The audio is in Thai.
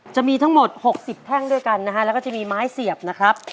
จะมีทั้งหมด๖๐แท่งด้วยกันนะฮะแล้วก็จะมีไม้เสียบนะครับ